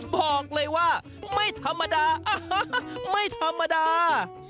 บอกเลยว่าไม่ธรรมดาไม่ธรรมดา